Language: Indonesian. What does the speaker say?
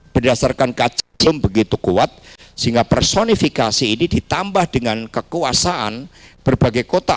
berdasarkan kajim begitu kuat sehingga personifikasi ini ditambah dengan kekuasaan berbagai kota